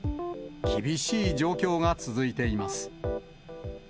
厳しい状況が続いています。